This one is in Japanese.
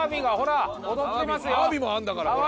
アワビもあるんだからほら。